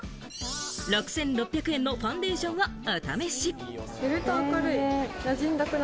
６６００円のファンデーションをお試し。